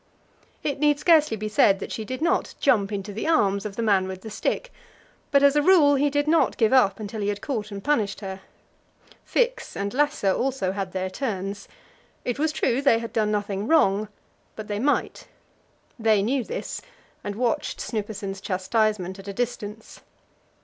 It need scarcely be said that she did not jump into the arms of the man with the stick, but, as a rule, he did not give up until he had caught and punished her. Fix and Lasse also had their turns; it was true they had done nothing wrong, but they might. They knew this, and watched Snuppesen's chastisement at a distance.